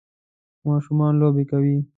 ماشومان لوبې کوي